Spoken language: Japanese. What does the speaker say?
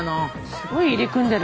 すごい入り組んでる。